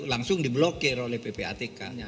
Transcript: langsung diblokir oleh ppatk nya